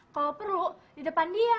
kalau perlu di depan dia